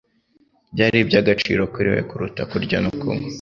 byari iby’agaciro kuri we kuruta kurya no kunywa.